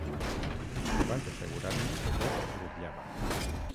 Vaig assegurar-me que tot rutllava